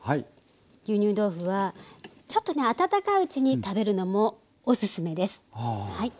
牛乳豆腐はちょっとね温かいうちに食べるのもおすすめです。